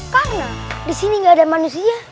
karena disini gak ada manusia